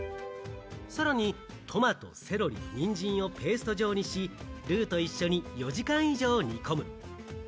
さらにトマト、セロリ、ニンジンをペースト状にし、ルーと一緒に４時間以上煮込む。